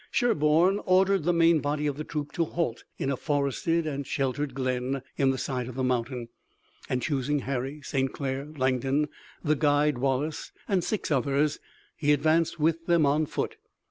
Sherburne ordered the main body of the troop to halt in a forested and sheltered glen in the side of the mountain, and, choosing Harry, St. Clair, Langdon, the guide Wallace, and six others, he advanced with them on foot.